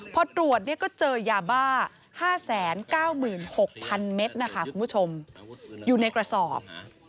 พอตรวจก็เจอยาบ้า๕๙๖๐๐๐เมตรนะคะคุณผู้ชมอยู่ในกระสอบ